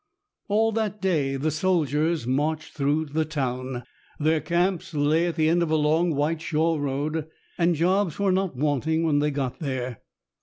All that day, the soldiers marched through the town. Their camps lay at the end of a long white shore road, and jobs were not wanting when they got there.